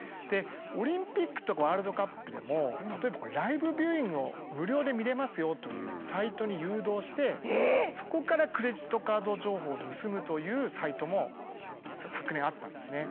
オリンピックとかワールドカップでも例えばライブビューイングを無料で見れますよというサイトに誘導してそこからクレジットカード情報を盗むというサイトも昨年あったんですね。